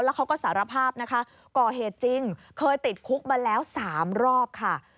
เขาก็สารภาพนะคะก่อเหตุจริงเคยติดคุกมาแล้ว๓รอบค่ะ